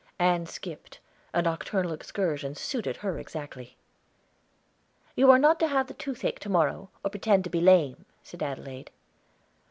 Ann skipped. A nocturnal excursion suited her exactly. "You are not to have the toothache to morrow, or pretend to be lame," said Adelaide.